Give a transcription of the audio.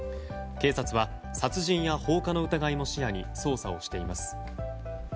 警察は殺人や放火の疑いも視野に捜査をしています。